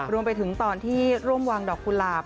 รวมไปถึงตอนที่ร่วมวางดอกกุหลาบ